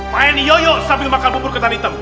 main yoyo sambil makan bubur ketan hitam